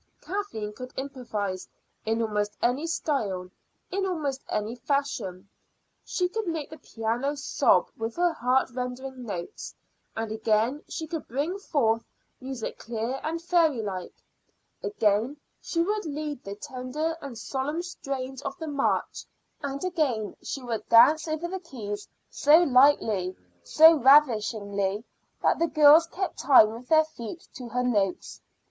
Kathleen could improvise in almost any style, in almost any fashion. She could make the piano sob with her heart rendering notes; and again she could bring forth music clear and fairy like. Again she would lead the tender and solemn strains of the march; and again she would dance over the keys so lightly, so ravishingly, that the girls kept time with their feet to her notes.